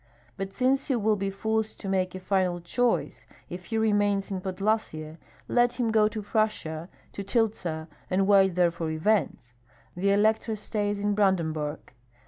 But since he will be forced to make a final choice if he remains in Podlyasye, let him go to Prussia, to Tyltsa, and wait there for events. The elector stays in Brandenburg.